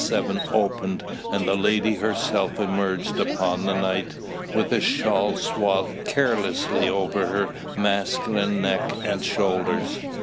7 opened, and the lady herself emerged upon the night, with a shawl swathed carelessly over her masculine neck and shoulders.